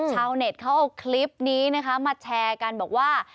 ชาวเน็ตเขาเอาคลิปนี้นะคะมาแชร์กันบอกว่า